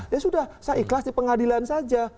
ya sudah saya ikhlas di pengadilan saja